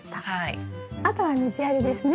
あとは水やりですね？